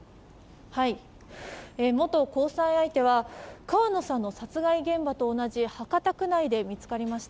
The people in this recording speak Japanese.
元交際相手は川野さんの殺害現場と同じ博多区内で見つかりました。